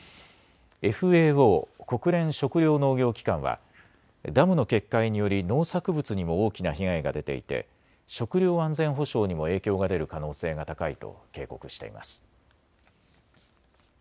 ＦＡＯ・国連食糧農業機関はダムの決壊により農作物にも大きな被害が出ていて食料安全保障にも影響が出る可能性が高いと警告しています。